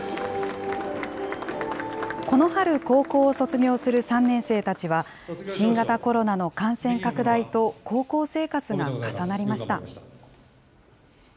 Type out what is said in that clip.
この春、高校を卒業する３年生たちは、新型コロナの感染拡大と高校生活が重なりました。